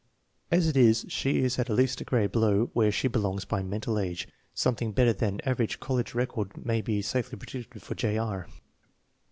As it is she is at least a grade below where she belongs by mental age. Something better than an average college record may be safely predicted for J. R.